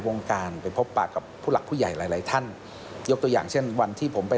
วงการไปพบปากกับผู้หลักผู้ใหญ่หลายหลายท่านยกตัวอย่างเช่นวันที่ผมไป